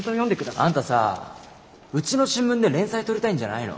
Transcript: あんたさうちの新聞で連載取りたいんじゃないの？